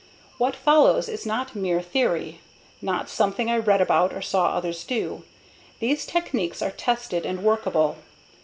What follows is not mere theory, not something I read about or saw others do. These techniques are tested and workable.